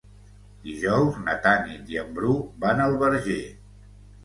Dijous na Tanit i en Bru van al Verger.